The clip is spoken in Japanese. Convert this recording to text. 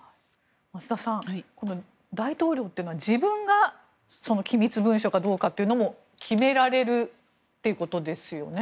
増田さん大統領というのは自分が機密文書かどうかも決められるということですよね。